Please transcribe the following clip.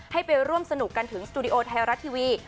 ให้ไปร่วมสนุกกันถึงสตูดิโอไทยรัฐทีวี